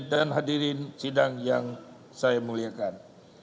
dan hadirin sidang yang saya muliakan